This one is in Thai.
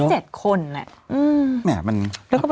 แล้วก็ไม่ได้ตัวเล็กน่ะ